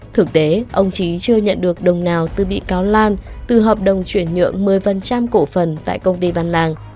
thực tế ông trí chưa nhận được đồng nào từ bị cáo lan từ hợp đồng chuyển nhượng một mươi cổ phần tại công ty văn lang